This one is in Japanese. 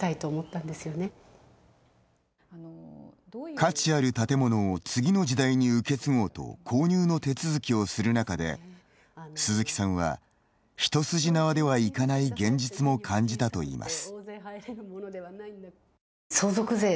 価値ある建物を次の時代に受け継ごうと購入の手続きをする中で鈴木さんは、一筋縄ではいかない現実も感じたといいます。